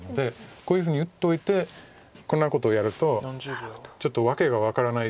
こういうふうに打っといてこんなことやるとちょっと訳が分からない